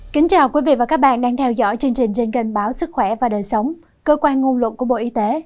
kính chào quý vị và các bạn đang theo dõi chương trình dân kênh báo sức khỏe và đời sống cơ quan ngôn luận của bộ y tế